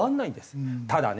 ただね